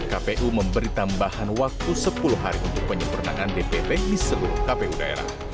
kpu memberi tambahan waktu sepuluh hari untuk penyempurnaan dpp di seluruh kpu daerah